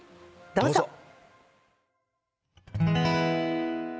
どうぞ。